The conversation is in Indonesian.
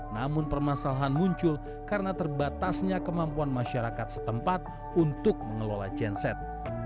namun permasalahan muncul karena terbatasnya kemampuan masyarakat setempat untuk mengelola genset